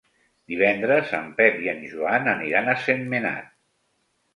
Divendres en Pep i en Joan aniran a Sentmenat.